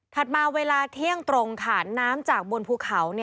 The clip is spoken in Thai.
มาเวลาเที่ยงตรงค่ะน้ำจากบนภูเขา